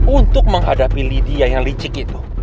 untuk menghadapi lidia yang licik itu